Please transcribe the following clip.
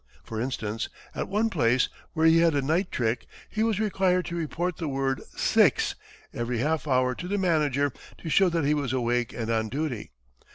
For instance, at one place where he had a night trick, he was required to report the word "six" every half hour to the manager to show that he was awake and on duty.